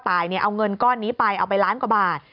ตายเอาเงินก้อนนี้ไปเอาไปล้านกว่าบาท